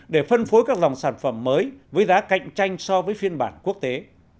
để phân phối các dòng sản phẩm mới với giá cạnh tranh so với phiên bản quốc tế